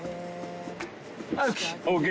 ＯＫ！